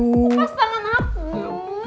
lepas tangan aku